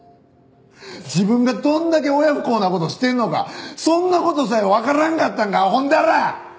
自分がどんだけ親不孝な事してるのかそんな事さえわからんかったんかあほんだら！